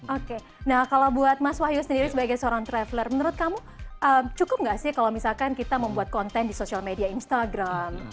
oke nah kalau buat mas wahyu sendiri sebagai seorang traveler menurut kamu cukup nggak sih kalau misalkan kita membuat konten di social media instagram